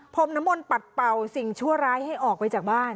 มนมลปัดเป่าสิ่งชั่วร้ายให้ออกไปจากบ้าน